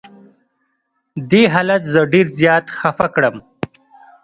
دې حالت زه ډېر زیات خفه کړم.